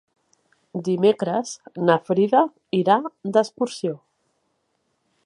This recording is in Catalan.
Dimecres na Frida irà d'excursió.